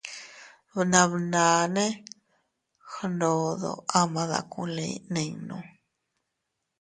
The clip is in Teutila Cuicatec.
Bnabnane gndodo ama dakulin ninno.